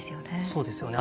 そうですよね。